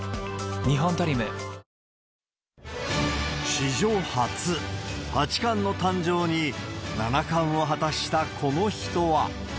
史上初、八冠の誕生に、七冠を果たしたこの人は。